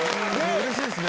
うれしいっすね。